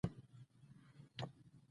پیاله د زړه مهرباني ښيي.